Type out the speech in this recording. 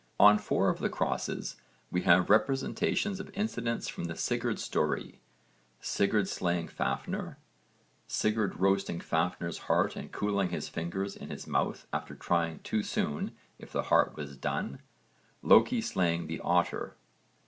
On four of the crosses we have representations of incidents from the Sigurd story Sigurd slaying Fafnir, Sigurd roasting Fafnir's heart and cooling his fingers in his mouth after trying too soon if the heart was done, Loki slaying the Otter.